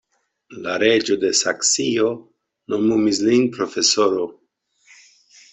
La reĝo de Saksio nomumis lin profesoro.